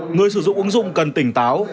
người sử dụng ứng dụng cần tỉnh táo